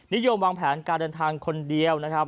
นิยมวางแผนการเดินทางคนเดียวนะครับ